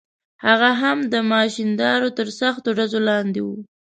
هغه هم د ماشیندارو تر سختو ډزو لاندې و.